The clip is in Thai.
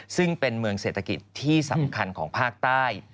ซึ่งเป็นเมืองเศรษฐกิจที่สำคัญของภาคใต้